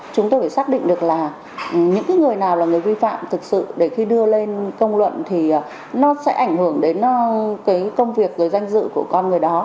chúng tôi phải xác định được là những người nào là người vi phạm thực sự để khi đưa lên công luận thì nó sẽ ảnh hưởng đến cái công việc rồi danh dự của con người đó